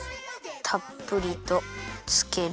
たっぷりとつける。